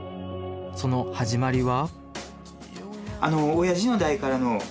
その始まりは？